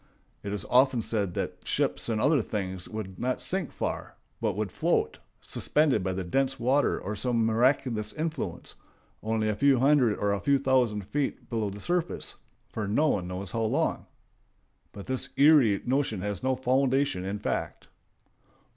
It is often said that ships and other things would not sink far, but would float, suspended by dense water or some miraculous influence, only a few hundred or a few thousand feet below the surface, for no one knows how long. But this eerie notion has no foundation in fact.